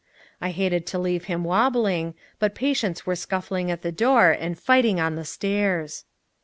I hated to leave him wabbling, but patients were scuffling at the door and fighting on the stairs.